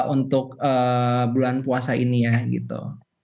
untuk bulan puasa ini ya gitu